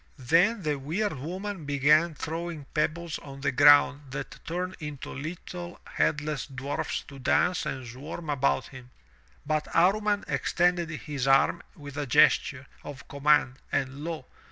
Then the weird woman began throwing pebbles on the ground that turned into little headless dwarfs to dance and swarm about him, but Amman extended his arm with a gesture of command and lo!